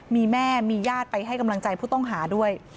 มีแม่มีญาติไปให้กำลังใจผู้ต้องหาด้วย